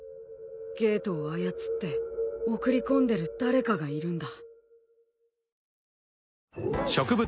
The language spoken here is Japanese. ゲートを操って送り込んでる誰かがいるんだ。